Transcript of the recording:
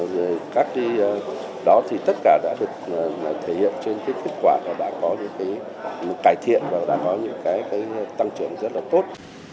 rồi các cái đó thì tất cả đã được thể hiện trên cái kết quả là đã có những cái cải thiện và đã có những cái tăng trưởng rất là tốt